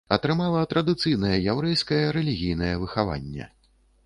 Атрымала традыцыйнае яўрэйскае рэлігійнае выхаванне.